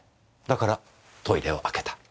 だからトイレを開けた。